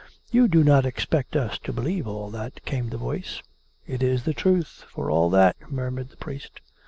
" You do not expect us to believe all that !" came the voice. " It is the truth, for all that," murmured the priest.